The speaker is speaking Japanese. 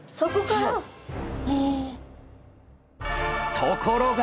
ところが！